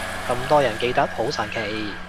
咁多人記得，好神奇